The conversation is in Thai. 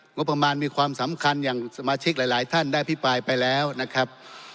งบประมาณมีความสำคัญอย่างสมาชิกหลายท่านได้พิปรายไปแล้วนะครับ